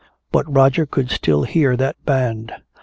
But Roger could still hear that band.